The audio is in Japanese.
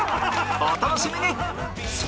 お楽しみに！